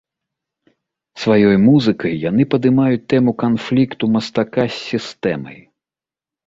Сваёй музыкай яны падымаюць тэму канфлікту мастака з сістэмай.